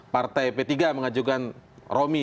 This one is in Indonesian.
partai p tiga mengajukan romi